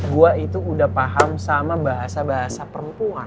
gue itu udah paham sama bahasa bahasa perempuan